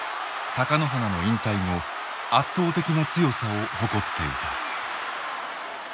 貴乃花の引退後圧倒的な強さを誇っていた。